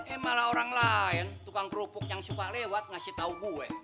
eh malah orang lain tukang kerupuk yang suka lewat ngasih tahu gue